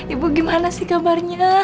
ibu gimana sih kabarnya